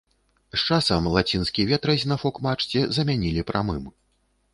З часам лацінскі ветразь на фок-мачце замянілі прамым.